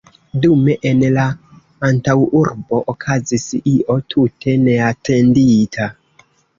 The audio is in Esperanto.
Dume en la antaŭurbo okazis io tute neatendita.